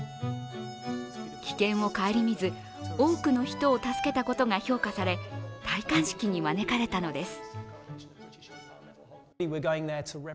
危険を顧みず多くの人を助けたことが評価され、戴冠式に招かれたのです。